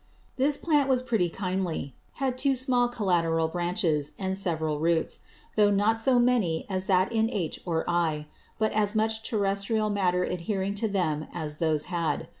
This Plant was pretty kindly; had two small collateral Branches, and several Roots, though not so many as that in H or I, but as much Terrestrial Matter adhering to them as those had.